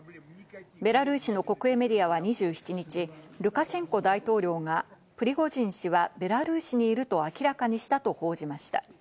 ベラルーシの国営メディアは２７日、ルカシェンコ大統領がプリゴジン氏はベラルーシにいると明らかにしたと報じました。